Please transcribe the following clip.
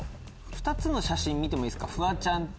２つの写真見てもいいですかフワちゃんと。